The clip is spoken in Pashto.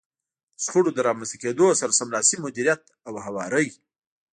د شخړو له رامنځته کېدو سره سملاسي مديريت او هواری.